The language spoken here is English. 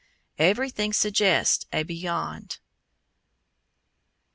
Everything suggests a beyond.